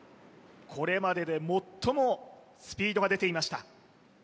これまでで最もスピードが出ていました